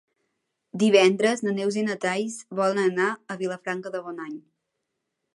Divendres na Neus i na Thaís volen anar a Vilafranca de Bonany.